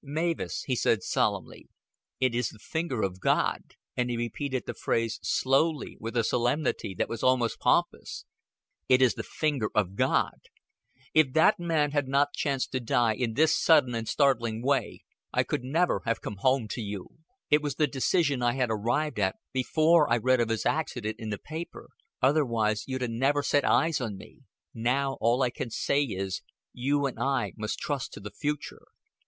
"Mavis," he said solemnly, "it is the finger of God." And he repeated the phrase slowly, with a solemnity that was almost pompous. "It is the finger of God. If that man had not chanced to die in this sudden and startling way, I could never have come home to you. It was the decision I had arrived at before I read of his accident in the paper. Otherwise you'd 'a' never set eyes on me. Now all I can say is, you and I must trust to the future.